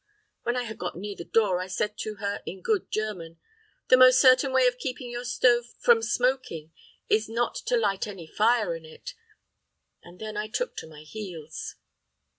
When I had got near the door I said to her, in good German, 'The most certain way of keeping your stove from smoking is not to light any fire in it!' and then I took to my heels."